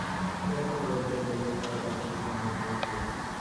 এরকম লোকদের লইয়া কারবার করিতে আমি ভয় করি।